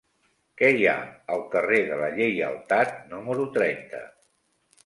Què hi ha al carrer de la Lleialtat número trenta?